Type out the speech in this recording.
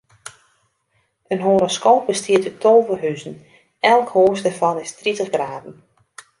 In horoskoop bestiet út tolve huzen, elk hûs dêrfan is tritich graden.